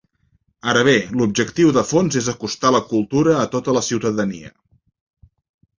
Ara bé, l’objectiu de fons és acostar la cultura a tota la ciutadania.